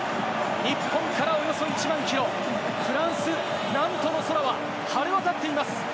日本からおよそ１万キロ、フランス・ナントの空は晴れ渡っています。